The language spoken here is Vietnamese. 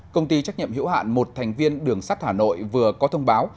công ty trách nhiệm hiểu hạn một thành viên đường sắt hà nội vừa có thông báo